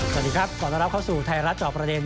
สวัสดีครับขอต้อนรับเข้าสู่ไทยรัฐจอบประเด็น